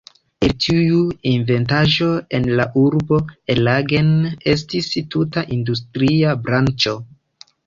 El tiu inventaĵo en la urbo Erlangen ekestis tuta industria branĉo.